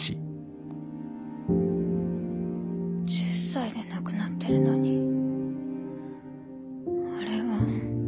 １０才で亡くなってるのにあれは。